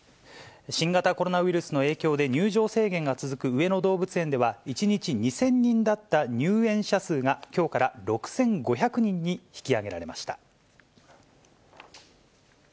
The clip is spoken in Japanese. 新型コロナウイルスの影響で、入場制限が続く上野動物園では、１日２０００人だった入園者数が、きょうから６５００人に引き上げられました。